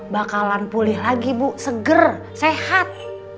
bakalan pulih lagi bu seger sehat